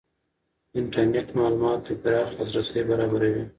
انټرنېټ معلوماتو ته پراخ لاسرسی برابروي.